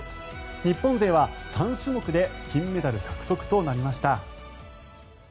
日本勢は３種目で金メダル獲得となりました。